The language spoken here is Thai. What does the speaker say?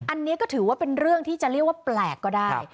อันนี้ก็ถือว่าเป็นเรื่องที่จะเรียกว่าแปลกก็ได้